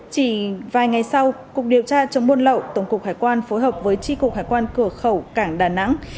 chỉ vài ngày sau cục điều tra chống buôn lậu tổng cục hải quan phối hợp với tri cục hải quan cửa khẩu cảng đà nẵng